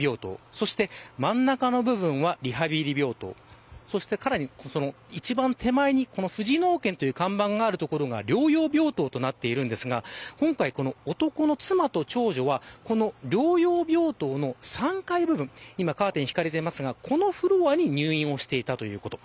そして真ん中の部分はリハビリ病棟そして一番手前に富士脳研という看板がある所が療養病棟となっているんですが今回、男の妻と長女はこの療養病棟の３階部分今カーテンが引かれていますがこのフロアに入院をしていたということ。